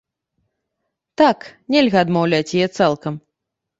Так, нельга адмаўляць яе цалкам.